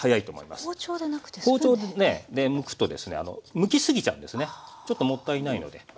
包丁でねむくとですねむきすぎちゃうんですねちょっともったいないので。